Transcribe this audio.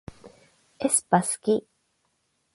aespa すき